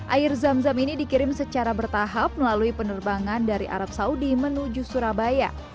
air zam zam ini dikirim secara bertahap melalui penerbangan dari arab saudi menuju surabaya